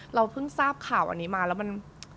เราเพิ่งทราบข่าวอันนี้มาแล้วมัน